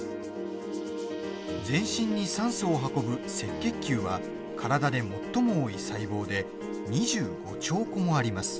全身に酸素を運ぶ赤血球は体で最も多い細胞で２５兆個もあります。